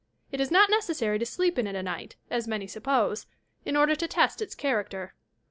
It is not necessary to sleep in it a night, as many suppose, in order to test its character.